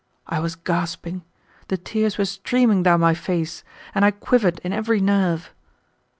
I was gasping. The tears were streaming down my face, and I quivered in every nerve.